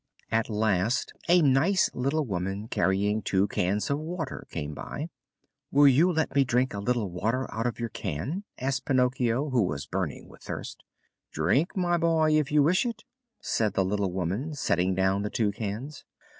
At last a nice little woman carrying two cans of water came by. "Will you let me drink a little water out of your can?" asked Pinocchio, who was burning with thirst. "Drink, my boy, if you wish it!" said the little woman, setting down the two cans.